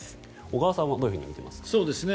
小川さんはどういうふうに見ていますか？